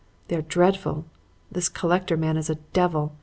They are dreadful. This collector man is a devil.